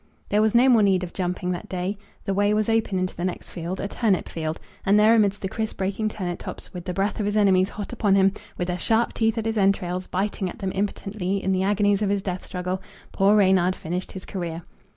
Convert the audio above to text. There was no more need of jumping that day. The way was open into the next field, a turnip field, and there amidst the crisp breaking turnip tops, with the breath of his enemies hot upon him, with their sharp teeth at his entrails, biting at them impotently in the agonies of his death struggle, poor Reynard finished his career.